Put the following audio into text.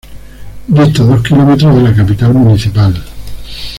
Dista dos kilómetros de la capital municipal.